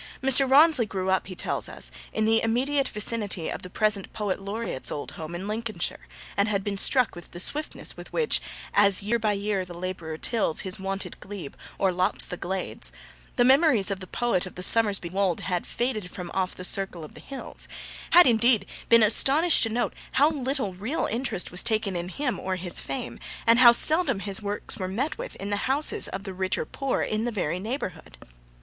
Mr. Rawnsley grew up, he tells us, in the immediate vicinity of the present Poet Laureate's old home in Lincolnshire, and had been struck with the swiftness with which, As year by year the labourer tills His wonted glebe, or lops the glades, the memories of the poet of the Somersby Wold had 'faded from off the circle of the hills' had, indeed, been astonished to note how little real interest was taken in him or his fame, and how seldom his works were met with in the houses of the rich or poor in the very neighbourhood.